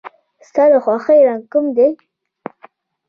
ستا د خوښې رنګ کوم دی؟